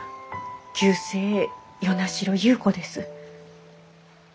旧姓与那城優子です。